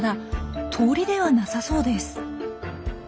鳥ではなさそうです。